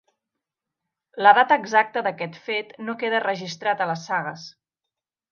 La data exacta d'aquest fet no queda registrat a les sagues.